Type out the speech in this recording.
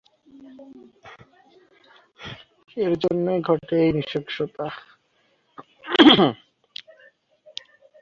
এর জন্যই ঘটে এই নৃশংসতা।